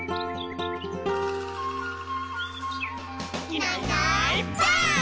「いないいないばあっ！」